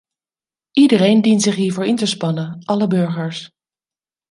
Iedereen dient zich hiervoor in te spannen, alle burgers.